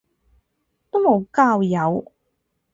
都無交友